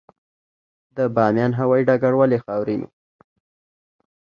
د بامیان هوايي ډګر ولې خاورین و؟